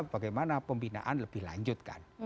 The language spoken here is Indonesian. bagaimana pembinaan lebih lanjutkan